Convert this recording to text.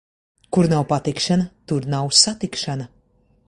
Kur nav patikšana, tur nav satikšana.